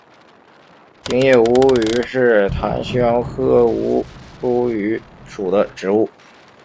楝叶吴萸为芸香科吴茱萸属的植物。